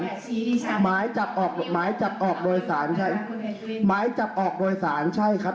ที่นี่เป็นความประชุมกันที่นี่ก็ไม่ใช่ล้าวไก่ครับผม